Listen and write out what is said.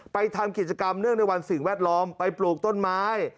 ทำกิจกรรมเนื่องในวันสิ่งแวดล้อมไปปลูกต้นไม้